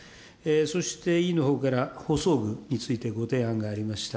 そして委員のほうから補装具についてご提案がありました。